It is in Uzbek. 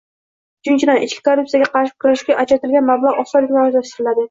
Uchinchidan, ichki korruptsiyaga qarshi kurashga ajratilgan mablag 'osonlik bilan o'zlashtiriladi